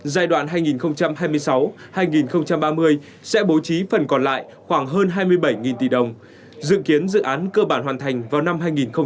giai đoạn hai nghìn hai mươi sáu hai nghìn ba mươi sẽ bố trí phần còn lại khoảng hơn hai mươi bảy tỷ đồng dự kiến dự án cơ bản hoàn thành vào năm hai nghìn hai mươi năm